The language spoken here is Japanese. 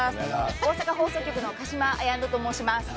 大阪放送局の鹿島綾乃と申します。